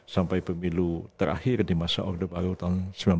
sampai pemilu terakhir di masa orde baru tahun seribu sembilan ratus empat puluh